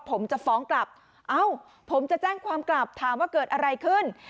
ผมจะฟ้องกลับเอ้าผมจะแจ้งความกลับถามว่าเกิดอะไรขึ้น